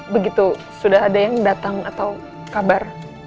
begitu sudah ada yang datang atau kabar